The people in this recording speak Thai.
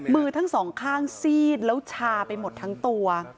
มือทั้งสองข้างซีดแล้วชาไปหมดทั้งตัว